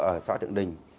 ở xã thượng đình